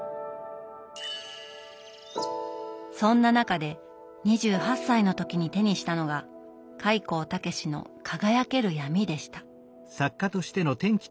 そんな中で２８歳の時に手にしたのが開高健の「輝ける闇」でした。